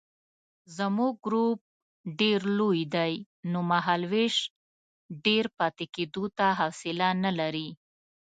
زموږ ګروپ ډېر لوی دی نو مهالوېش ډېر پاتې کېدو ته حوصله نه لري.